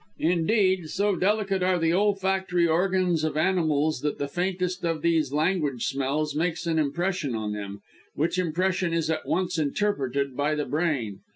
Indeed, so delicate are the olfactory organs of animals that the faintest of these language smells makes an impression on them, which impression is at once interpreted by the brain.